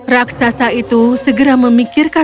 raksasa itu segera memikirkan